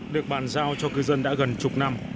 được bàn giao cho cư dân đã gần chục năm